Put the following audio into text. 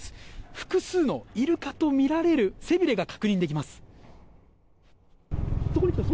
複数のイルカとみられる背びれが確認できます。